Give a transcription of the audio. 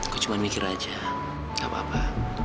gue cuma mikir aja gak apa apa